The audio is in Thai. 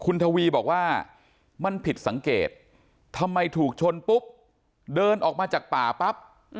คุณทวีบอกว่ามันผิดสังเกตทำไมถูกชนปุ๊บเดินออกมาจากป่าปั๊บ